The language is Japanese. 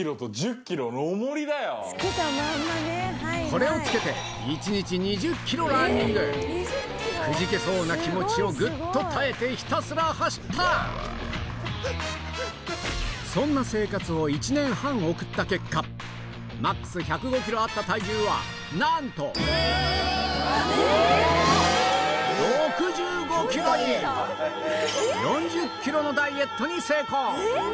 これを着けて一日くじけそうな気持ちをぐっと耐えてひらすら走ったそんな生活を１年半送った結果ＭＡＸ１０５ｋｇあった体重はなんと４０ｋｇのダイエットに成功